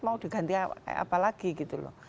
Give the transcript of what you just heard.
mau diganti apa lagi gitu loh